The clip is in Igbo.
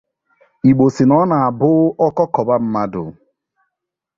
Igbo sị na ọ na-abụ ọkọ kọba mmadụ